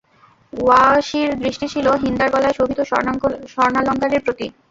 ওয়াহশীর দৃষ্টি ছিল হিন্দার গলায় শোভিত স্বর্ণালঙ্কারের প্রতি।